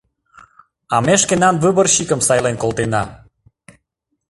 — А ме шкенан выборщикым сайлен колтена.